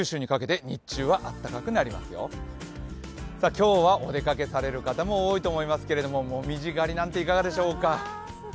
今日はお出かけされる方も多いと思いますが、紅葉狩りなんかいかがでしょうか。